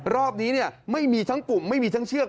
รอบนี้ไม่มีทั้งปุ่มไม่มีทั้งเชือก